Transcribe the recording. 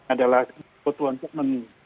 adalah kebutuhan untuk menurunkan